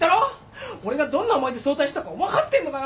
俺がどんな思いで早退したか分かってんのかよ。